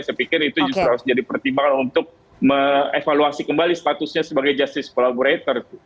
saya pikir itu justru harus jadi pertimbangan untuk mengevaluasi kembali statusnya sebagai justice collaborator